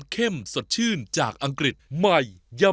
เฮ้ยหลูนิทัย